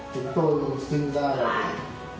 chúng tôi cũng sinh ra là để đạt được